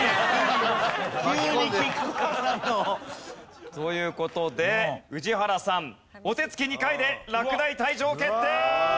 急に菊川さんの。という事で宇治原さんお手つき２回で落第退場決定！